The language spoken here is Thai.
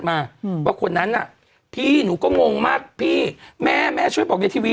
มาอืมว่าคนนั้นน่ะพี่หนูก็งงมากพี่แม่แม่ช่วยบอกในทีวี